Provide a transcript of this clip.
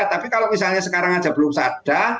tapi kalau misalnya sekarang saja belum ada